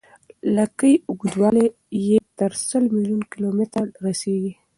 لکۍ اوږدوالی یې تر سل میلیون کیلومتره رسیږي.